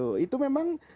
tapi bagaimana menyikapinya